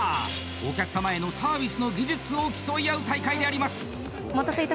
お客様へのサービスの技術を競い合う大会であります。